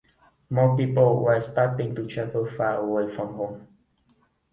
More people were starting to travel far away from home.